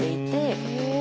へえ！